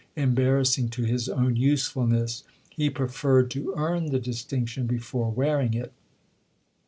embarrassing to his own usefulness ; he preferred to earn the distinction before wearing it.